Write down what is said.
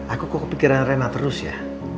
aku kok kepikiran rena terus ya